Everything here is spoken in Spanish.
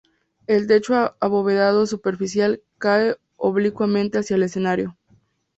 El techo abovedado superficial cae oblicuamente hacia el escenario.